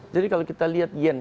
jadi kalau kita lihat yen